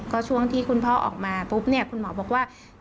ก็ช่วงที่คุณพ่อออกมาปุ๊บเนี่ยคุณหมอบอกว่า